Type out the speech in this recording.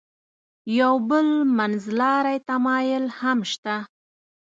یو بل منځلاری تمایل هم شته.